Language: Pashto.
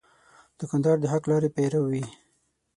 دوکاندار د حق لارې پیرو وي.